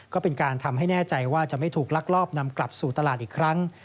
ก็เป็นการทำให้แน่ใจว่าจะไม่ถูกลักลอบนำกลับสู่ตลาดอีกครั้ง